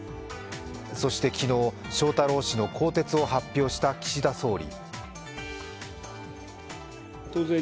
そして昨日、翔太郎氏の更迭を発表した岸田総理。